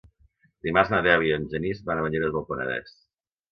Dimarts na Dèlia i en Genís van a Banyeres del Penedès.